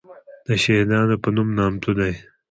دشهیدانو په نوم نامتو دی.